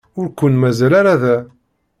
Ur ken-mazal ara da.